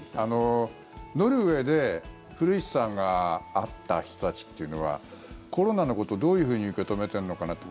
ノルウェーで古市さんが会った人たちっていうのはコロナのことをどういうふうに受け止めているのかなって。